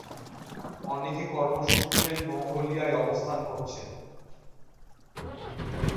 অনেকে কর্মসূত্রে মঙ্গোলিয়ায় অবস্থান করছেন।